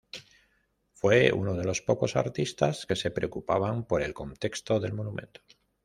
Fue uno de los pocos artistas que se preocupaban por el contexto del monumento.